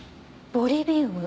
ボリビウム？